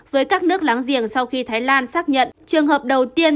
với các nước láng giềng sau khi thái lan xác nhận trường hợp đầu tiên